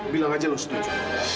bilang aja lo setuju